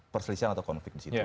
perselisihan atau konflik di situ